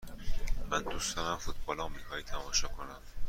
من دوست دارم فوتبال آمریکایی تماشا کنم.